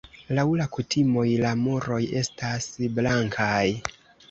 Laŭ la kutimoj la muroj estas blankaj.